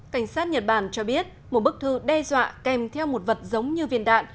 cảnh sát nhật bản cho biết một bức thư đe dọa kèm theo một vật giống như viên đạn